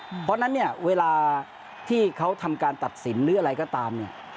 เพราะฉะนั้นเนี่ยเวลาที่เขาทำการตัดสินหรืออะไรก็ตามเนี่ย